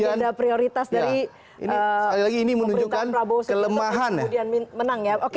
jadi itu menjadi agenda prioritas dari pemerintah prabowo subianto untuk kemudian menang ya oke